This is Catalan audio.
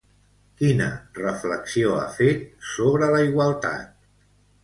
Quina reflexió ha fet sobre la igualtat?